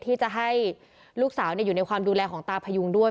ที่จะให้ลูกสาวอยู่ในความดูแลของตาพยุงด้วย